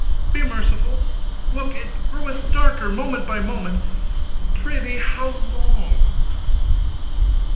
Be merciful; look, it groweth darker, moment by moment. Prithee how long?"